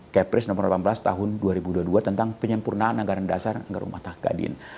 kepres nomor delapan belas tahun dua ribu dua puluh dua tentang penyempurnaan anggaran dasar anggaran rumah tangga kadin